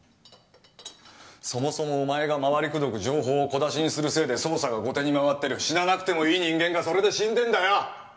そもそもお前が回りくどく情報を小出しにするせいで捜査が後手に回ってる死ななくてもいい人間がそれで死んでんだよ